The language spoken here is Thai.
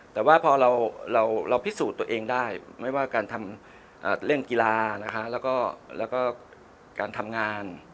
แต่ว่าพอเราพิสูจน์ตัวเองได้ไม่ว่าการทำเรื่องกีฬานะคะแล้วก็การทำงาน